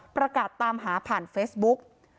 ประกาศตามหาผ่านเฟซบุ๊ก